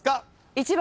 １番。